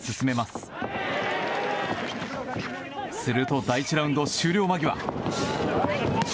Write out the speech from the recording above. すると第１ラウンド終了間際。